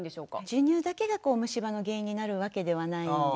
授乳だけが虫歯の原因になるわけではないんですね。